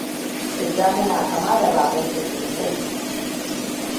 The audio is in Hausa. Tijjania na kama da babansa sosai.